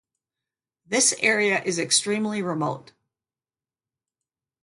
This area is extremely remote.